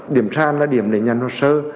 điểm sàn là điểm để nhận hồ sơ